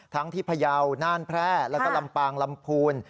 ที่พยาวน่านแพร่แล้วก็ลำปางลำพูน